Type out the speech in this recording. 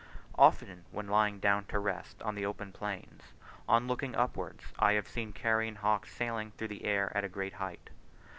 Often when lying down to rest on the open plains, on looking upwards, I have seen carrion hawks sailing through the air at a great height.